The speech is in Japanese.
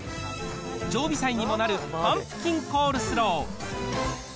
常備菜にもなるパンプキンコールスロー。